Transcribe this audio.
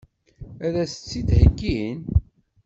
Ad as-tt-id-heggin?